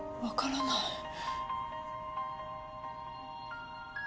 わからない。